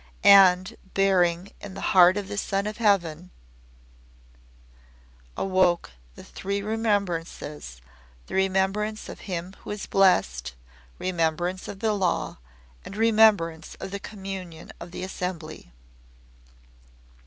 And, bearing, in the heart of the Son of Heaven awoke the Three Remembrances the Remembrance of Him who is Blessed, Remembrance of the Law, and Remembrance of the Communion of the Assembly.